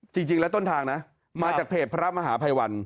จริงแล้วต้นทางนะมาจากเพจพระมหาภัยวัน